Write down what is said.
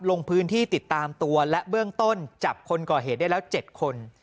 ลงพื้นที่ติดตามตัวและเบื้องต้นจับคนก่อเหตุได้แล้ว๗คน